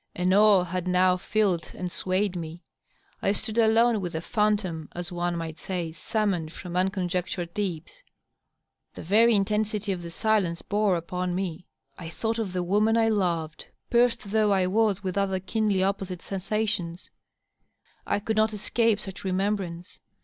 An awe had now filled and swayed me. I stood alone with a phantom, as one might say, summoned from unconiectured deeps. The very intensity of the silence bore upon me. I thought of the woman I loved, pierced though I was with other keenly oppo^site sen sations. I could not escape such remembrance.